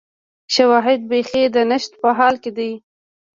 شواهد بیخي د نشت په حال کې دي